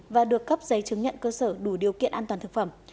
và được cấp giấy chứng nhận cơ sở đủ điều kiện an toàn thực phẩm